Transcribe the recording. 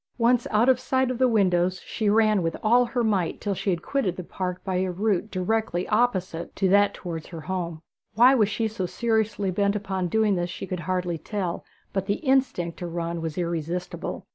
Once out of sight of the windows she ran with all her might till she had quitted the park by a route directly opposite to that towards her home. Why she was so seriously bent upon doing this she could hardly tell but the instinct to run was irresistible.